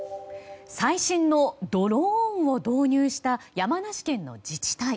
最新のドローンを導入した山梨県の自治体。